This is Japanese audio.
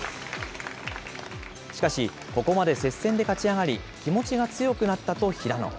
しかし、ここまで接戦で勝ち上がり気持ちが強くなったと平野。